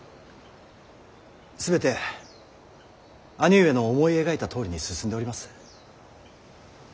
全て兄上の思い描いたとおりに進んでおります。